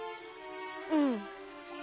うん。